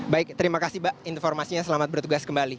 baik terima kasih mbak informasinya selamat bertugas kembali